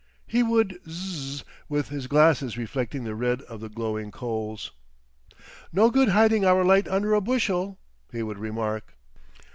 He would Zzzz, with his glasses reflecting the red of the glowing coals. "No good hiding our light under a Bushel," he would remark.